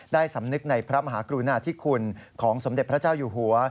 สำนึกในพระมหากรุณาธิคุณของสมเด็จพระเจ้าอยู่หัว